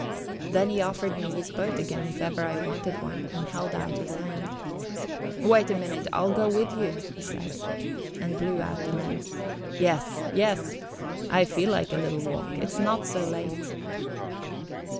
Then he offered me his boat again if ever I wanted one, and held out his hand. "Wait a minute I'll go with you," he said, and blew out the lamps. "Yes, yes, I feel like a little walk. It's not so late."